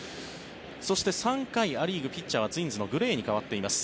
そして、３回、ア・リーグピッチャーはツインズのグレイに代わっています。